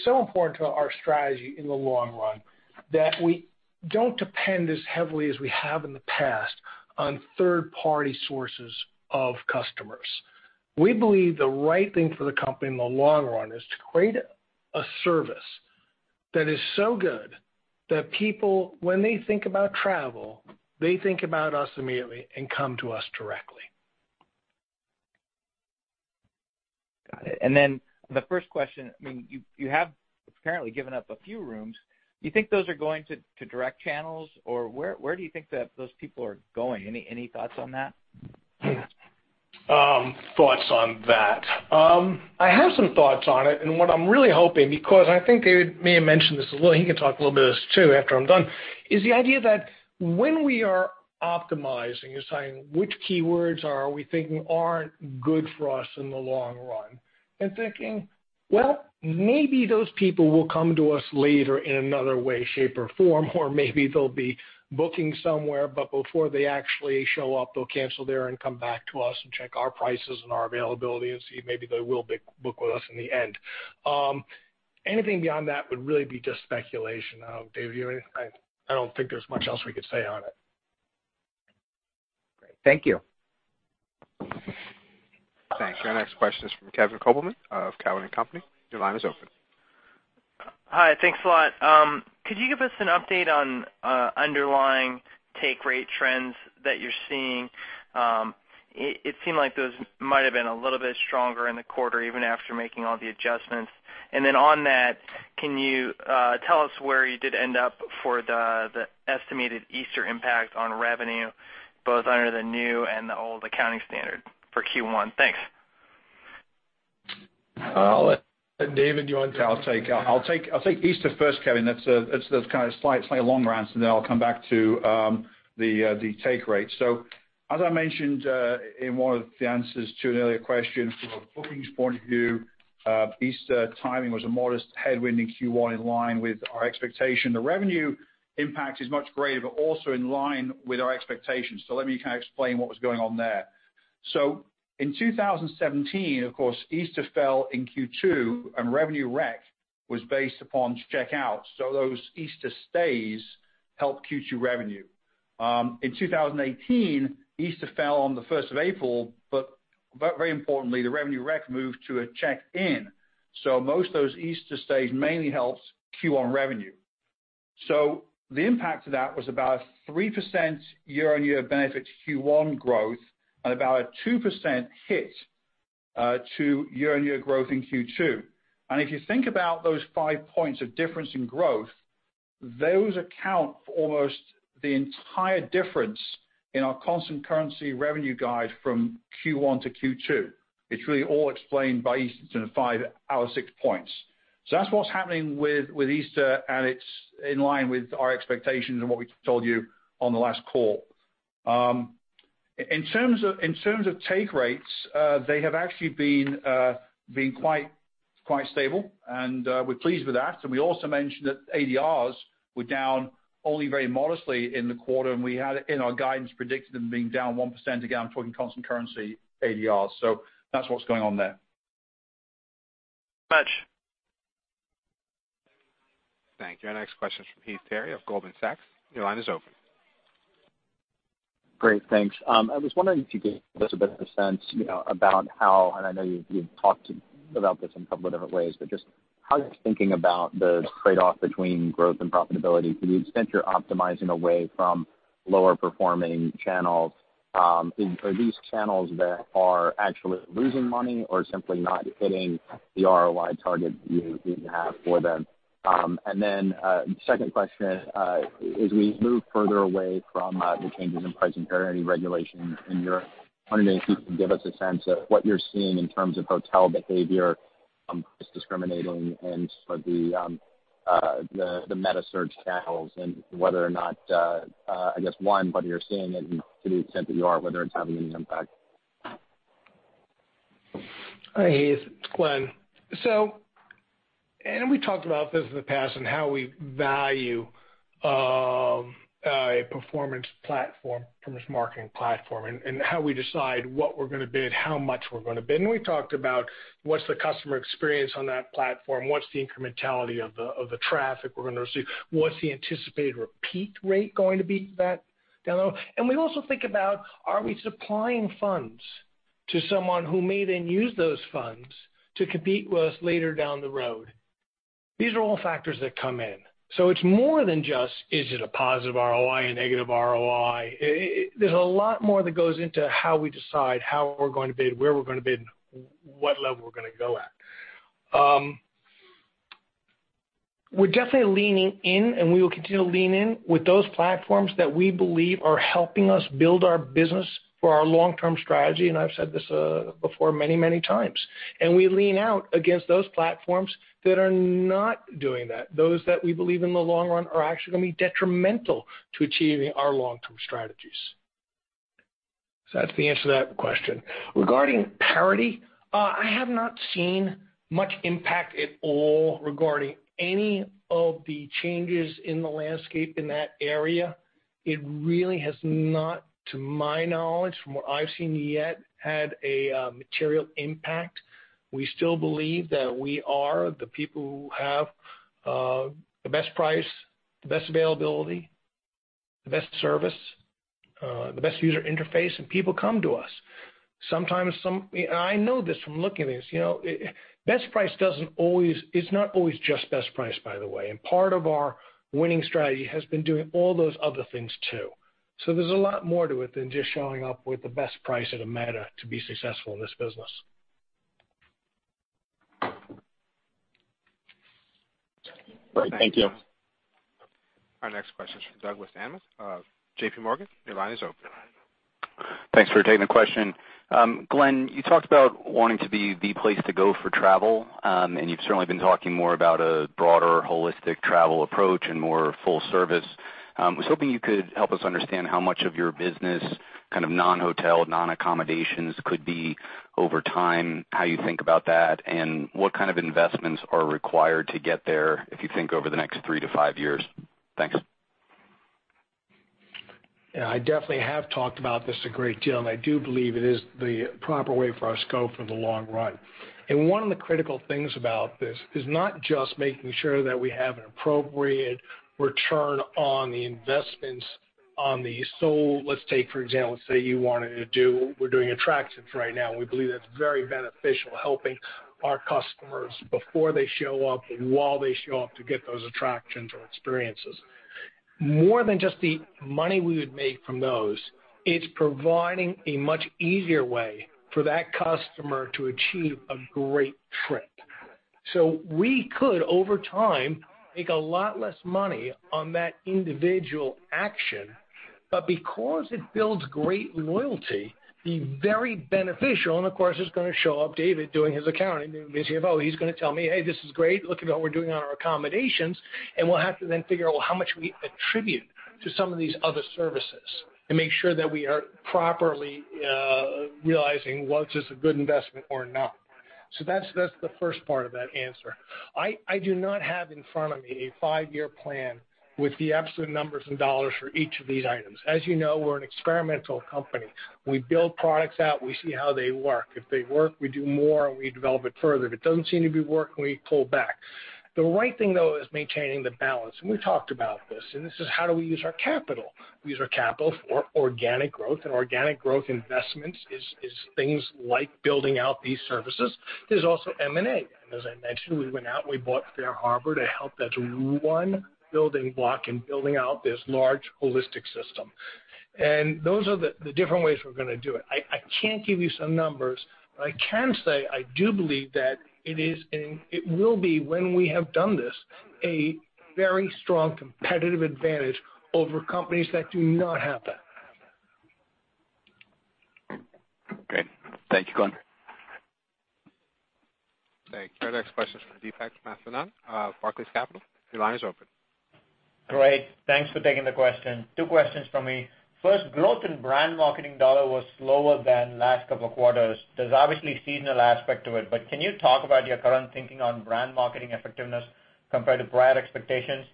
so important to our strategy in the long run that we don't depend as heavily as we have in the past on third-party sources of customers. We believe the right thing for the company in the long run is to create a service that is so good that people, when they think about travel, they think about us immediately and come to us directly. Got it. The first question, you have apparently given up a few rooms. Do you think those are going to direct channels, or where do you think that those people are going? Any thoughts on that? Thoughts on that. I have some thoughts on it and what I'm really hoping, because I think David may have mentioned this a little, he can talk a little bit of this too after I'm done, is the idea that when we are optimizing, deciding which keywords are we thinking aren't good for us in the long run. Thinking, well, maybe those people will come to us later in another way, shape, or form, or maybe they'll be booking somewhere, but before they actually show up, they'll cancel there and come back to us and check our prices and our availability and see if maybe they will book with us in the end. Anything beyond that would really be just speculation. David, you have anything? I don't think there's much else we could say on it. Great. Thank you. Thanks. Our next question is from Kevin Kopelman of Cowen and Company. Your line is open. Hi. Thanks a lot. Could you give us an update on underlying take rate trends that you're seeing? It seemed like those might have been a little bit stronger in the quarter, even after making all the adjustments. On that, can you tell us where you did end up for the estimated Easter impact on revenue, both under the new and the old accounting standard for Q1? Thanks. David, do you want to take that? I'll take Easter first, Kevin. That's kind of slightly longer answer. I'll come back to the take rate. As I mentioned in one of the answers to an earlier question, from a bookings point of view, Easter timing was a modest headwind in Q1 in line with our expectation. The revenue impact is much greater, but also in line with our expectations. Let me kind of explain what was going on there. In 2017, of course, Easter fell in Q2, and revenue rec was based upon check-out, so those Easter stays helped Q2 revenue. In 2018, Easter fell on the 1st of April, but very importantly, the revenue rec moved to a check-in, so most of those Easter stays mainly helped Q1 revenue. The impact of that was about a 3% year-on-year benefit to Q1 growth and about a 2% hit to year-on-year growth in Q2. If you think about those 5 points of difference in growth, those account for almost the entire difference in our constant currency revenue guide from Q1 to Q2. It's really all explained by Easter to the 5 out of 6 points. That's what's happening with Easter, and it's in line with our expectations and what we told you on the last call. In terms of take rates, they have actually been quite stable, and we're pleased with that. We also mentioned that ADRs were down only very modestly in the quarter, and we had in our guidance predicted them being down 1%. Again, I'm talking constant currency ADRs. That's what's going on there. Thanks so much. Thank you. Our next question is from Heath Terry of Goldman Sachs. Your line is open. Great. Thanks. I was wondering if you could give us a bit of a sense about how, and I know you've talked about this in a couple of different ways, but just how you're thinking about the trade-off between growth and profitability to the extent you're optimizing away from lower performing channels. Are these channels that are actually losing money or simply not hitting the ROI target you have for them? Then, second question, as we move further away from the changes in pricing parity regulations in Europe, wondering if you could give us a sense of what you're seeing in terms of hotel behavior, price discriminating, and sort of the meta search channels and whether or not, I guess, one, whether you're seeing it and to the extent that you are, whether it's having any impact. Hi, Heath, it's Glenn. We talked about this in the past and how we value a performance platform, performance marketing platform, and how we decide what we're going to bid, how much we're going to bid. We talked about what's the customer experience on that platform, what's the incrementality of the traffic we're going to receive, what's the anticipated repeat rate going to be down the road. We also think about, are we supplying funds to someone who may then use those funds to compete with us later down the road? These are all factors that come in. It's more than just, is it a positive ROI, a negative ROI? There's a lot more that goes into how we decide how we're going to bid, where we're going to bid, and what level we're going to go at. We're definitely leaning in, we will continue to lean in with those platforms that we believe are helping us build our business for our long-term strategy, I've said this before many, many times. We lean out against those platforms that are not doing that, those that we believe in the long run are actually going to be detrimental to achieving our long-term strategies. That's the answer to that question. Regarding parity, I have not seen much impact at all regarding any of the changes in the landscape in that area. It really has not, to my knowledge, from what I've seen yet, had a material impact. We still believe that we are the people who have the best price, the best availability, the best service, the best user interface, and people come to us. Sometimes, and I know this from looking at this. Best price, it's not always just best price, by the way. Part of our winning strategy has been doing all those other things, too. There's a lot more to it than just showing up with the best price at a meta to be successful in this business. Great. Thank you. Our next question is from Douglas Anmuth of JPMorgan. Your line is open. Thanks for taking the question. Glenn, you talked about wanting to be the place to go for travel, you've certainly been talking more about a broader holistic travel approach and more full service. I was hoping you could help us understand how much of your business, kind of non-hotel, non-accommodations could be over time, how you think about that, and what kind of investments are required to get there if you think over the next three to five years? Thanks. Yeah, I definitely have talked about this a great deal, I do believe it is the proper way for our scope for the long run. One of the critical things about this is not just making sure that we have an appropriate return on the investments on these. Let's take, for example, let's say We're doing attractions right now, and we believe that's very beneficial, helping our customers before they show up and while they show up to get those attractions or experiences. More than just the money we would make from those, it's providing a much easier way for that customer to achieve a great trip. We could, over time, make a lot less money on that individual action, but because it builds great loyalty, be very beneficial and, of course, it's going to show up, David doing his accounting. He's going to tell me, "Hey, this is great. Look at what we're doing on our accommodations." We'll have to then figure out how much we attribute to some of these other services and make sure that we are properly realizing, well, is this a good investment or not? That's the first part of that answer. I do not have in front of me a five-year plan with the absolute numbers and dollars for each of these items. As you know, we're an experimental company. We build products out. We see how they work. If they work, we do more, and we develop it further. If it doesn't seem to be working, we pull back. The right thing, though, is maintaining the balance. We've talked about this, and this is how do we use our capital? We use our capital for organic growth, organic growth investments is things like building out these services. There's also M&A. As I mentioned, we went out and we bought FareHarbor to help. That's one building block in building out this large holistic system. Those are the different ways we're going to do it. I can't give you some numbers, but I can say I do believe that it will be, when we have done this, a very strong competitive advantage over companies that do not have that. Great. Thank you, Glenn. Thank you. Our next question is from Deepak Mathivanan, Barclays Capital. Your line is open. Great. Thanks for taking the question. Two questions from me. First, growth in brand marketing dollar was slower than last couple of quarters. There's obviously seasonal aspect to it, but can you talk about your current thinking on brand marketing effectiveness compared to prior expectations?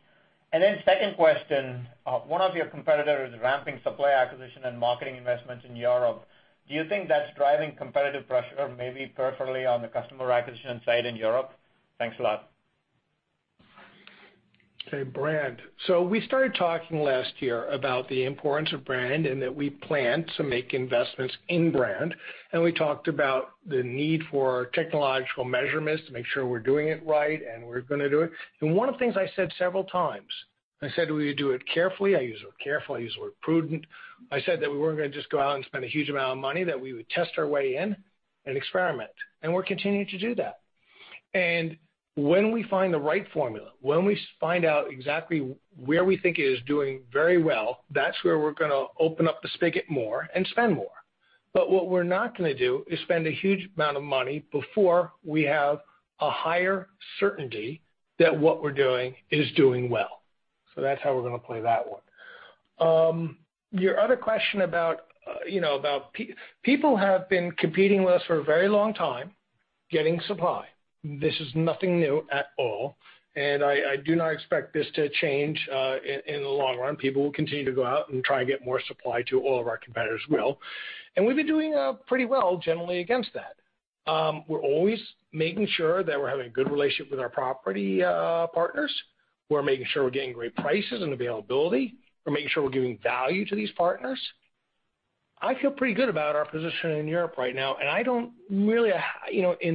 Second question, one of your competitors is ramping supply acquisition and marketing investments in Europe. Do you think that's driving competitive pressure, maybe preferably on the customer acquisition side in Europe? Thanks a lot. Okay, brand. We started talking last year about the importance of brand and that we plan to make investments in brand. We talked about the need for technological measurements to make sure we're doing it right and we're going to do it. One of the things I said several times, I said we would do it carefully. I use the word carefully, I use the word prudent. I said that we weren't going to just go out and spend a huge amount of money, that we would test our way in and experiment, and we're continuing to do that. When we find the right formula, when we find out exactly where we think it is doing very well, that's where we're going to open up the spigot more and spend more. What we're not going to do is spend a huge amount of money before we have a higher certainty that what we're doing is doing well. That's how we're going to play that one. Your other question about People have been competing with us for a very long time, getting supply. This is nothing new at all, and I do not expect this to change in the long run. People will continue to go out and try to get more supply too, all of our competitors will. We've been doing pretty well generally against that. We're always making sure that we're having a good relationship with our property partners. We're making sure we're getting great prices and availability. We're making sure we're giving value to these partners. I feel pretty good about our position in Europe right now. In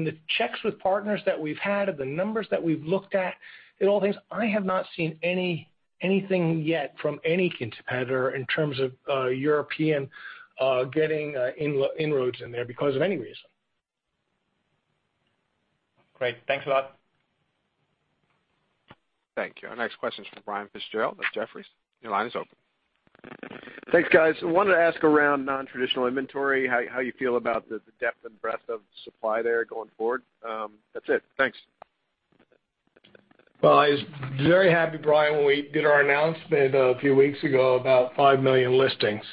the checks with partners that we've had, the numbers that we've looked at and all things, I have not seen anything yet from any competitor in terms of European getting inroads in there because of any reason. Great. Thanks a lot. Thank you. Our next question is from Brian Fitzgerald with Jefferies. Your line is open. Thanks, guys. I wanted to ask around non-traditional inventory, how you feel about the depth and breadth of supply there going forward. That's it. Thanks. Well, I was very happy, Brian, when we did our announcement a few weeks ago about 5 million listings.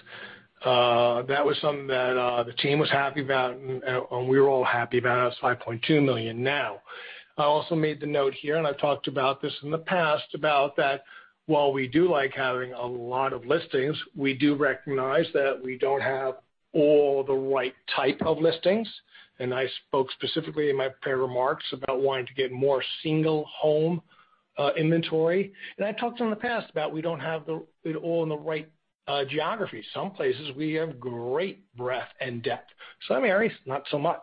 That was something that the team was happy about, and we were all happy about it. It's 5.2 million now. I also made the note here, I've talked about this in the past, about that while we do like having a lot of listings, we do recognize that we don't have all the right type of listings. I spoke specifically in my prepared remarks about wanting to get more single home inventory. I talked in the past about we don't have it all in the right geography. Some places we have great breadth and depth. Some areas, not so much.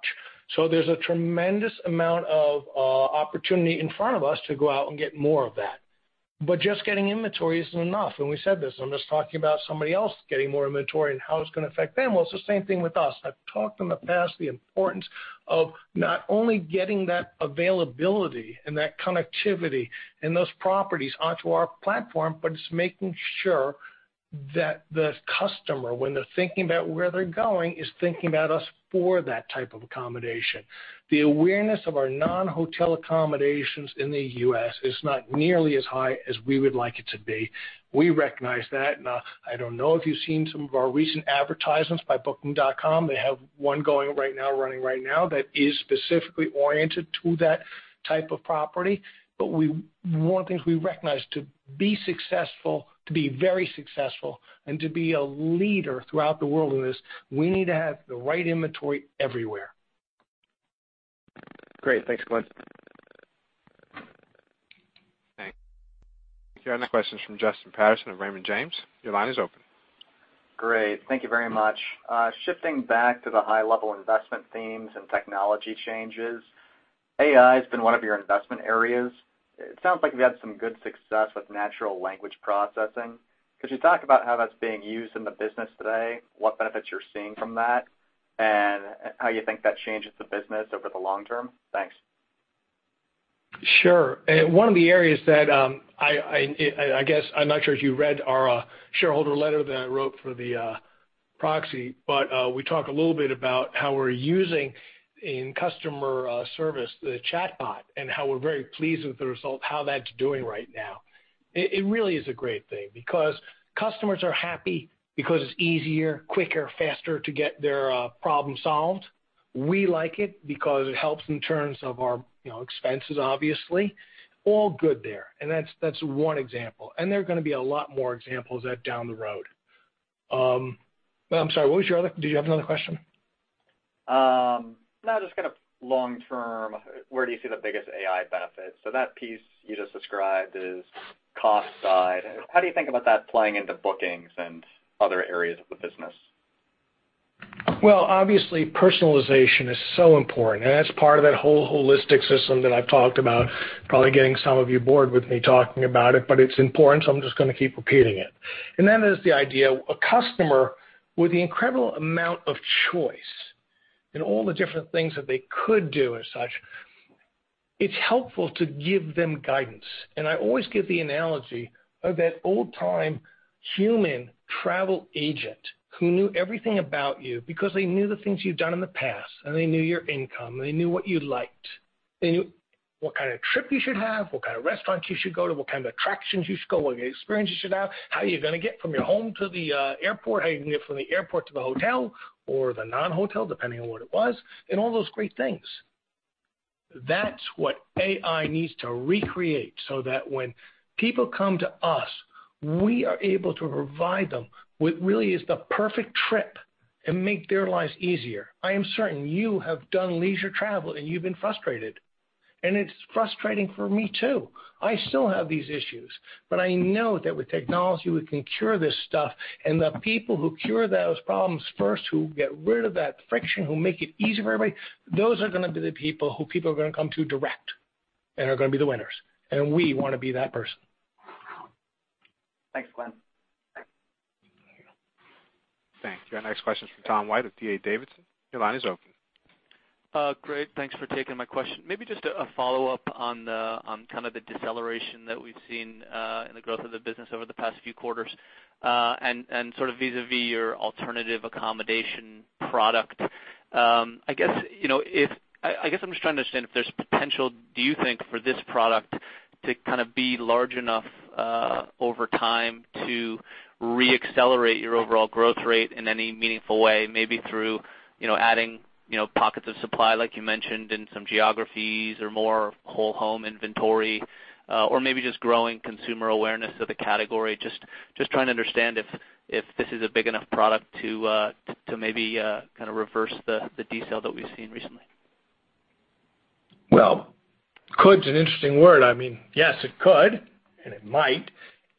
There's a tremendous amount of opportunity in front of us to go out and get more of that. Just getting inventory isn't enough, and we said this, and I'm just talking about somebody else getting more inventory and how it's going to affect them. Well, it's the same thing with us. I've talked in the past the importance of not only getting that availability and that connectivity and those properties onto our platform, but it's making sure that the customer, when they're thinking about where they're going, is thinking about us for that type of accommodation. The awareness of our non-hotel accommodations in the U.S. is not nearly as high as we would like it to be. We recognize that. I don't know if you've seen some of our recent advertisements by Booking.com. They have one going right now, running right now, that is specifically oriented to that type of property. One thing we recognize, to be successful, to be very successful, and to be a leader throughout the world in this, we need to have the right inventory everywhere. Great. Thanks, Glenn. Thanks. Your next question is from Justin Patterson of Raymond James. Your line is open. Great. Thank you very much. Shifting back to the high level investment themes and technology changes, AI has been one of your investment areas. It sounds like you've had some good success with natural language processing. Could you talk about how that's being used in the business today, what benefits you're seeing from that, and how you think that changes the business over the long term? Thanks. Sure. One of the areas that, I'm not sure if you read our shareholder letter that I wrote for the proxy, but we talk a little bit about how we're using in customer service the chatbot, and how we're very pleased with the result, how that's doing right now. It really is a great thing because customers are happy because it's easier, quicker, faster to get their problem solved. We like it because it helps in terms of our expenses, obviously. All good there. That's one example, and there are going to be a lot more examples at down the road. I'm sorry, did you have another question? No, just kind of long term, where do you see the biggest AI benefits? That piece you just described is cost side. How do you think about that playing into bookings and other areas of the business? Well, obviously, personalization is so important, and that's part of that whole holistic system that I've talked about. Probably getting some of you bored with me talking about it, but it's important, so I'm just going to keep repeating it. That is the idea, a customer with the incredible amount of choice and all the different things that they could do as such, it's helpful to give them guidance. I always give the analogy of that old time human travel agent who knew everything about you because they knew the things you'd done in the past, and they knew your income, and they knew what you liked. They knew what kind of trip you should have, what kind of restaurants you should go to, what kind of attractions you should go, what experience you should have, how you're going to get from your home to the airport, how you're going to get from the airport to the hotel or the non-hotel, depending on what it was, and all those great things. That's what AI needs to recreate so that when people come to us, we are able to provide them what really is the perfect trip and make their lives easier. I am certain you have done leisure travel, and you've been frustrated, and it's frustrating for me too. I still have these issues. I know that with technology, we can cure this stuff. The people who cure those problems first, who get rid of that friction, who make it easy for everybody, those are going to be the people who people are going to come to direct and are going to be the winners. We want to be that person. Thanks, Glenn. Thanks. Your next question is from Tom White of D.A. Davidson. Your line is open. Great. Thanks for taking my question. Maybe just a follow-up on the kind of the deceleration that we've seen in the growth of the business over the past few quarters, sort of vis-a-vis your alternative accommodation product. I guess I'm just trying to understand if there's potential, do you think, for this product to kind of be large enough over time to re-accelerate your overall growth rate in any meaningful way, maybe through adding pockets of supply, like you mentioned, in some geographies or more whole home inventory, maybe just growing consumer awareness of the category. Just trying to understand if this is a big enough product to maybe kind of reverse the decel that we've seen recently. Well, could is an interesting word. I mean, yes, it could, and it might.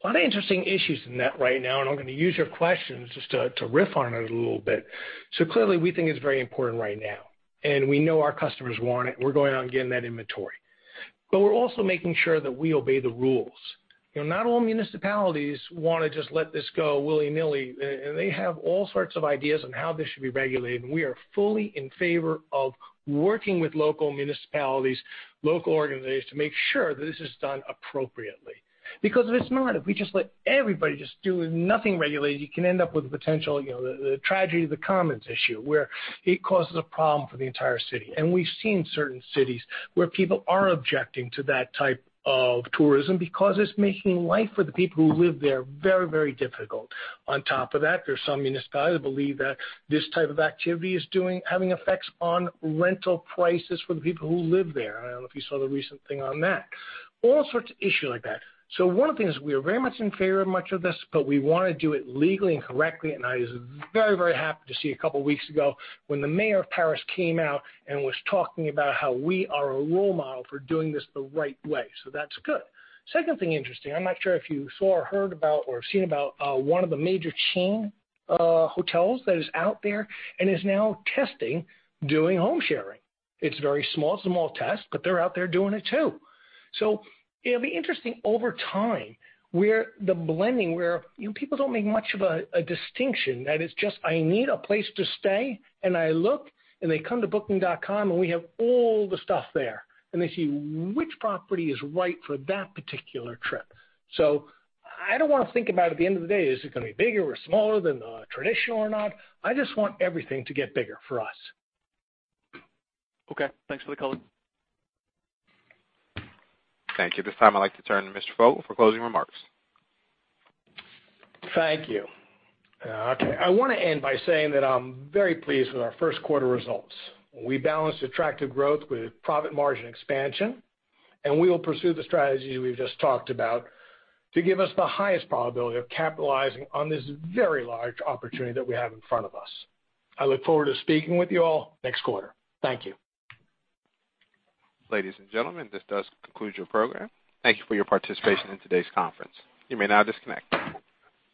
A lot of interesting issues in that right now, I'm going to use your questions just to riff on it a little bit. Clearly, we think it's very important right now, and we know our customers want it. We're going out and getting that inventory. We're also making sure that we obey the rules. Not all municipalities want to just let this go willy-nilly. They have all sorts of ideas on how this should be regulated, we are fully in favor of working with local municipalities, local organizations, to make sure that this is done appropriately. Because if it's not, if we just let everybody just do with nothing regulated, you can end up with a potential, the tragedy of the commons issue, where it causes a problem for the entire city. We've seen certain cities where people are objecting to that type of tourism because it's making life for the people who live there very, very difficult. On top of that, there's some municipalities that believe that this type of activity is having effects on rental prices for the people who live there. I don't know if you saw the recent thing on that. All sorts of issues like that. One of the things, we are very much in favor of much of this, we want to do it legally and correctly, I was very, very happy to see a couple of weeks ago when the mayor of Paris came out and was talking about how we are a role model for doing this the right way. That's good. Second thing interesting, I'm not sure if you saw or heard about or have seen about one of the major chain hotels that is out there and is now testing doing home sharing. It's a very small test, they're out there doing it too. It'll be interesting over time, the blending where people don't make much of a distinction, that it's just, I need a place to stay, I look, they come to Booking.com, we have all the stuff there, they see which property is right for that particular trip. I don't want to think about at the end of the day, is it going to be bigger or smaller than the traditional or not? I just want everything to get bigger for us. Okay. Thanks for the color. Thank you. At this time, I'd like to turn to Mr. Fogel for closing remarks. Thank you. Okay. I want to end by saying that I'm very pleased with our first quarter results. We balanced attractive growth with profit margin expansion. We will pursue the strategies we've just talked about to give us the highest probability of capitalizing on this very large opportunity that we have in front of us. I look forward to speaking with you all next quarter. Thank you. Ladies and gentlemen, this does conclude your program. Thank you for your participation in today's conference. You may now disconnect.